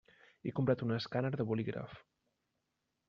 He comprat un escàner de bolígraf.